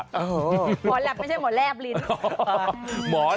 หมอแหลปไม่ใช่หมอแลบลิ้น